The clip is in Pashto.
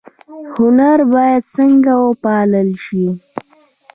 هنر باید څنګه وپال ل شي؟